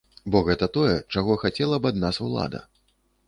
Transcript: Бо гэта тое, чаго хацела б ад нас улада.